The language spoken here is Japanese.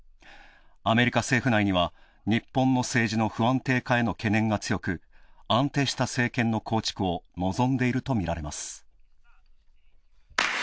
アメリカ政府内には日本の政治の不安定化への懸念が強く、安定した政権の構築を望んでいるとみられます。